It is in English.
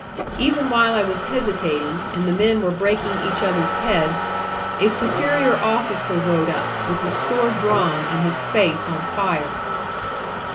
Even while I was hesitating, and the men were breaking each other's heads, a superior officer rode up, with his sword drawn, and his face on fire.